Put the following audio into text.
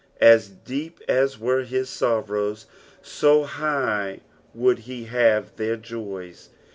As deep as were his sorrows, so high would he have their joys.